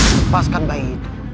lepaskan bayi itu